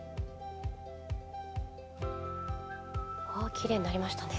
きれいになりましたね。